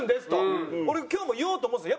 俺今日も言おうと思ってたんです。